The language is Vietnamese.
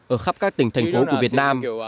ở khắp các tỉnh thành phố của việt nam